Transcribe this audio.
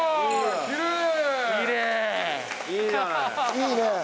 いいね！